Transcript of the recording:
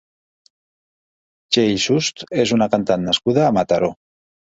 Txell Sust és una cantant nascuda a Mataró.